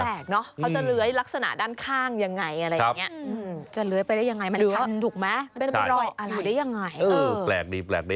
เขาจะเล้ยลักษณะด้านข้างยังไงอะไรอย่างเงี้ยจะเล้ยไปได้ยังไงมันทำถูกไหมไม่รออยู่ได้ยังไง